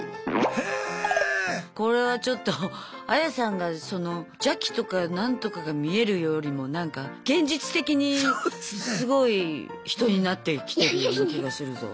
これはちょっとアヤさんが邪気とか何とかが見えるよりもなんか現実的にすごい人になってきてるような気がするぞ。